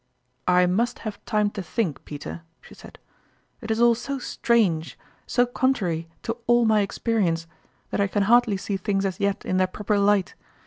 "I must have time to think, Peter," she said : "it is all so strange, so contrary to all my experience, that I can hardly see things as yet in their proper light.